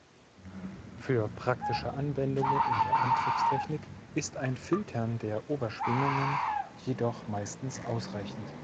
Für praktische Anwendungen in der Antriebstechnik ist ein Filtern der Oberschwingungen jedoch meistens ausreichend.